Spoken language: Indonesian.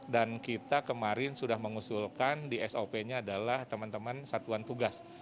dan kita kemarin sudah mengusulkan di sop nya adalah teman teman satuan tugas